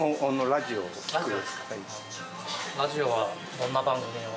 ラジオはどんな番組を。